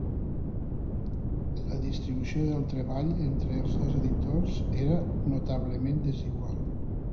La distribució del treball entre els dos editors era notablement desigual.